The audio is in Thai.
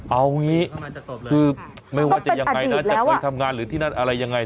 เอางี้คือไม่ว่าจะยังไงนะจะคอยทำงานหรือที่นั่นอะไรยังไง